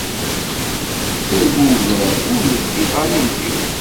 D agugam, ur leddiɣ ara imi-w.